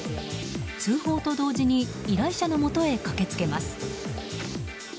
通報と同時に依頼者のもとへ駆け付けます。